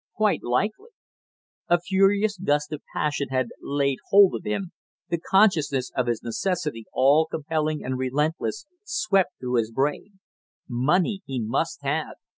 "Quite likely." A furious gust of passion had laid hold of him, the consciousness of his necessity, all compelling and relentless, swept through his brain. Money he must have!